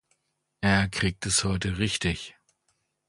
Er kriegt es heute richtig.